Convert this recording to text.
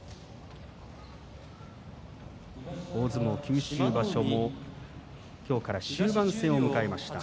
大相撲九州場所も今日から終盤戦を迎えました。